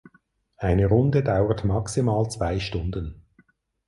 Eine Runde dauert maximal zwei Stunden.